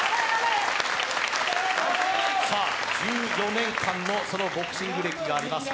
１４年間のボクシング歴があります。